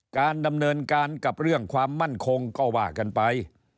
การดำเนินการกับเรื่องความมั่นคงก็ว่ากันไป